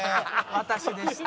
「私でした」。